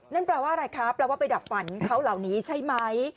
นั่นแปลว่าอะไรคะแปลว่าไปดับฝันเขาเหล่านี้ใช่ไหม